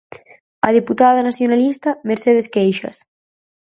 A deputada nacionalista Mercedes Queixas.